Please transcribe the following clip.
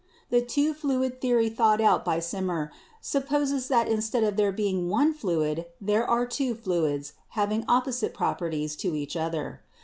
The two fluid theory thought out by Symmer sup poses that instead of there being one fluid there are two fluids having opposite properties to each other.